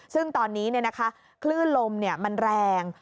ซึ่งตอนนี้คลื่นลมมันแรง